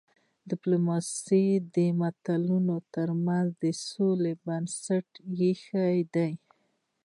ډيپلوماسي د ملتونو ترمنځ د سولې بنسټ ایښی دی.